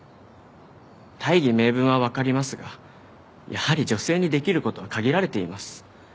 大義名分はわかりますがやはり女性にできる事は限られています。